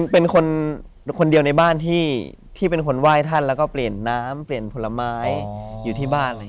เป็นคนเดียวในบ้านที่เป็นคนไหว้ท่านแล้วก็เปลี่ยนน้ำเปลี่ยนผลไม้อยู่ที่บ้านอะไรอย่างนี้